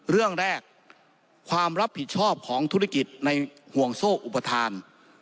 เรื่องแรกความรับผิดชอบของธุรกิจในห่วงโซ่อุปทาน